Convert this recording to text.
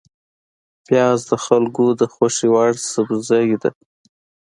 پیاز د خلکو د خوښې وړ سبزی ده